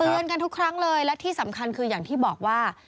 กันทุกครั้งเลยและที่สำคัญคืออย่างที่บอกว่า